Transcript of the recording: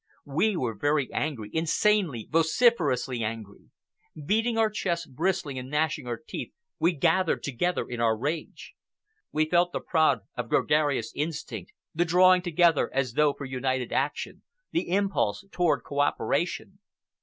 We were very angry, insanely, vociferously angry. Beating our chests, bristling, and gnashing our teeth, we gathered together in our rage. We felt the prod of gregarious instinct, the drawing together as though for united action, the impulse toward cooperation.